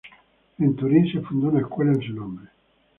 En Turín, se fundó una escuela en su nombre.